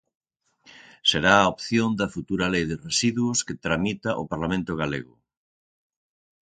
Será a opción da futura lei de residuos que tramita o Parlamento galego.